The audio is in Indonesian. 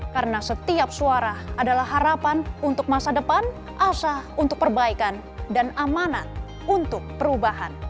karena setiap suara adalah harapan untuk masa depan asah untuk perbaikan dan amanat untuk perubahan